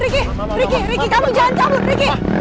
kamu jangan cabut riki